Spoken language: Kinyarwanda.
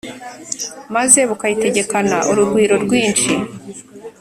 maze bukayitegekana urugwiro rwinshi